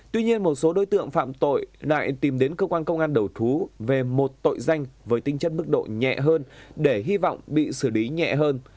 tuy nhiên một số đối tượng phạm tội lại tìm đến cơ quan công an đầu thú về một tội danh với tinh chất bức độ nhẹ hơn để hy vọng bị xử lý nhẹ hơn